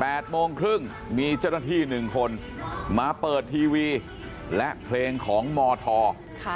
แปดโมงครึ่งมีเจ้าหน้าที่หนึ่งคนมาเปิดทีวีและเพลงของมธค่ะ